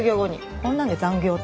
こんなんで残業って。